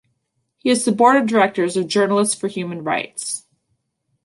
He is the Board of Directors of Journalists for Human Rights.